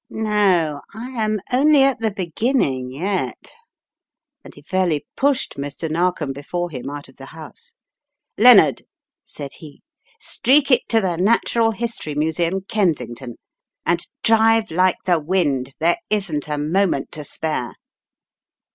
"No, I am only at the beginning yet," and he fairly pushed Mr. Narkom before him out of the house. "Lennard," said he, "streak it to the Natural History Museum, Kensington, and drive like the wind. There isn't a moment to spare."